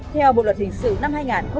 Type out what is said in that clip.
theo bộ luật hình sự năm hai nghìn một mươi năm